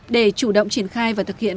để chủ động triển khai và thực hiện